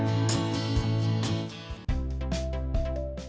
ingin bersantai sambil menikmati semilir angin di atas perahu juga